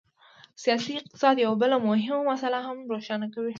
سیاسي اقتصاد یوه بله مهمه مسله هم روښانه کوي.